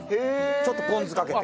ちょっとポン酢かけて。